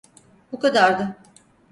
Bu kadardı.